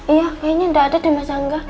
iya kayaknya nggak ada deh mas angga